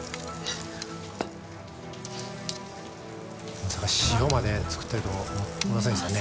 まさか塩まで作っていると思いませんでしたね。